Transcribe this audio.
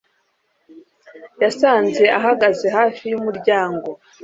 yasanze ahagaze hafi yumuryango